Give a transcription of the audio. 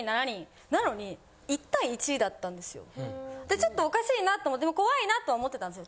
ちょっとおかしいなと思って怖いなと思ってたんですよ。